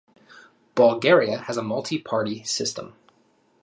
Bulgaria has a multi-party system.